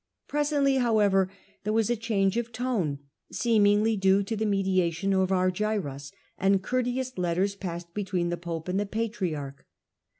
Presently, however, there was a change of tone, seemingly due to the me diation of Argyros, and courteous letters passed between the pope and the patriarch.